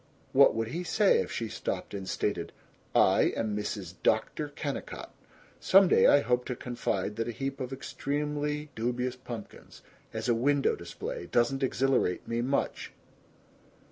What would he say if she stopped and stated, "I am Mrs. Dr. Kennicott. Some day I hope to confide that a heap of extremely dubious pumpkins as a window display doesn't exhilarate me much."